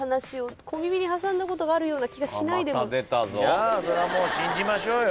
じゃあそれはもう信じましょうよ。